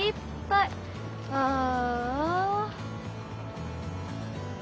ああ。